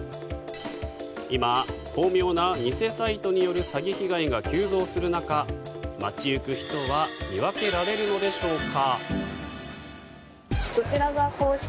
今、巧妙な偽サイトによる詐欺被害が急増する中街行く人は見分けられるのでしょうか。